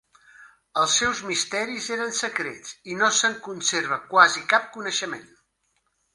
Els seus misteris eren secrets i no se'n conserva quasi cap coneixement.